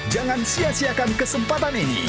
jangan sia siakan kesempatan ini